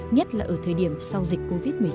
nhất là ở thời điểm sau dịch covid một mươi chín